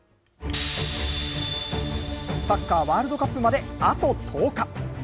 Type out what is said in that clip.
サッカーワールドカップまであと１０日。